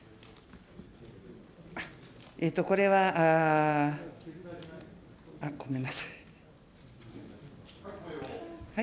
これは、ごめんなさい。